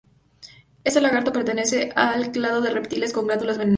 Este lagarto pertenece al clado de reptiles con glándulas venenosas.